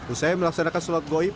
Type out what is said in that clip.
usai melaksanakan sulat goib